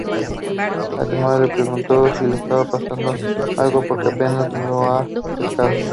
Además le preguntó si le pasaba algo porque apenas la ha "pescado".